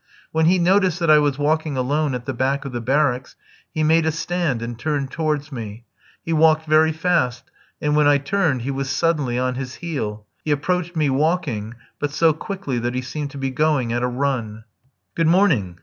When he noticed that I was walking alone at the back of the barracks he made a stand, and turned towards me. He walked very fast, and when I turned he was suddenly on his heel. He approached me walking, but so quickly that he seemed to be going at a run. "Good morning."